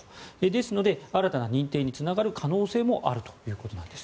ですので、新たな認定につながる可能性もあるということなんです。